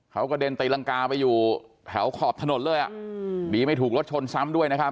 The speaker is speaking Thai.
เขากระเด็นตีรังกาไปอยู่แถวขอบถนนเลยอ่ะดีไม่ถูกรถชนซ้ำด้วยนะครับ